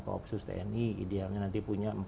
koopsus tni idealnya nanti punya